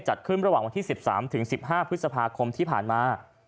จัดขึ้นระหว่างวันที่๑๓๑๕พฤษภาคมที่ผ่านมา